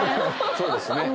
そうですね。